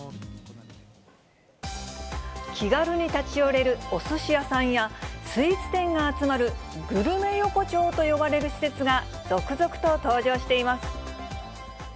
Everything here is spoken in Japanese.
気軽に立ち寄れるおすし屋さんや、スイーツ店が集まるグルメ横丁と呼ばれる施設が続々と登場しています。